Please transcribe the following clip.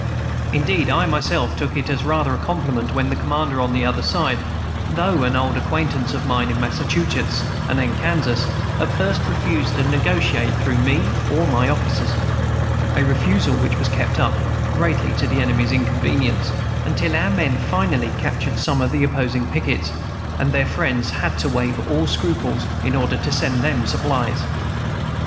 Indeed, I myself took it as rather a compliment when the commander on the other side though an old acquaintance of mine in Massachusetts and in Kansas at first refused to negotiate through me or my officers, a refusal which was kept up, greatly to the enemy's inconvenience, until our men finally captured some of the opposing pickets, and their friends had to waive all scruples in order to send them supplies.